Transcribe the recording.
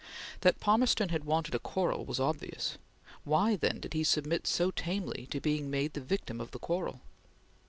That Palmerston had wanted a quarrel was obvious; why, then, did he submit so tamely to being made the victim of the quarrel?